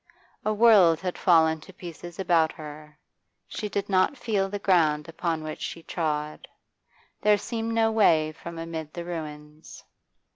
A world had fallen to pieces about her; she did not feel the ground upon which she trod; there seemed no way from amid the ruins.